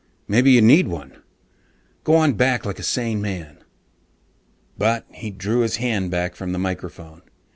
Maybe you need one. Go on back like a sane man._ But he drew his hand back from the microphone.